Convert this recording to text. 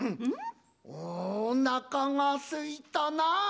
おなかがすいたな。